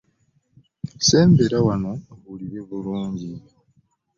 Sembera wano owulire bulungi.